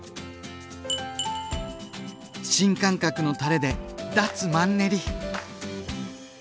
新感覚のたれで脱マンネリ！